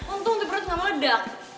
untung untuk perut nggak meledak